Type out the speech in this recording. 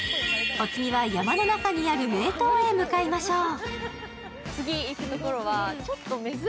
お次は山の中にある名湯へ向かいましょう。